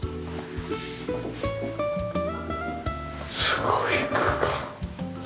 すごい空間。